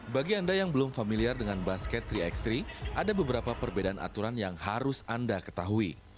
bagi anda yang belum familiar dengan basket tiga x tiga ada beberapa perbedaan aturan yang harus anda ketahui